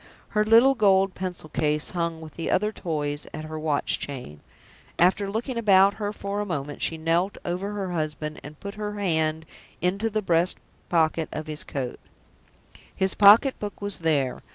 Her little gold pencil case hung with the other toys at her watch chain. After looking about her for a moment, she knelt over her husband and put her hand into the breast pocket of his coat. His pocket book was there.